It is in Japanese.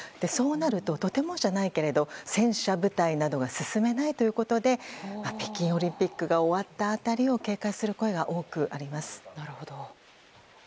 そうなるととてもじゃないけれど戦車部隊などが進めないということで北京オリンピックが終わった辺りを警戒する声が多くあります。